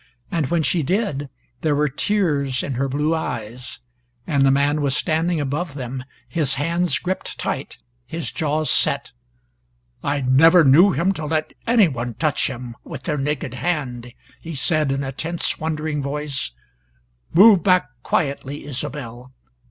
And when she did, there were tears in her blue eyes, and the man was standing above them, his hands gripped tight, his jaws set. "I never knew him to let any one touch him with their naked hand," he said in a tense wondering voice. "Move back quietly, Isobel.